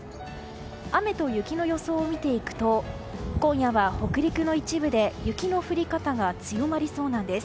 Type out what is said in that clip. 雨と雪の予想を見ていくと今夜は北陸の一部で雪の降り方が強まりそうなんです。